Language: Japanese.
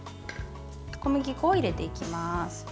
小麦粉を入れていきます。